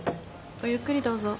ごゆっくりどうぞ。